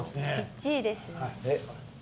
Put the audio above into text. １位ですよ。